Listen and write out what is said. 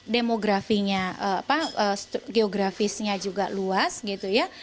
demografinya geografisnya juga luas gitu ya